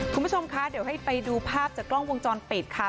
คุณผู้ชมคะเดี๋ยวให้ไปดูภาพจากกล้องวงจรปิดค่ะ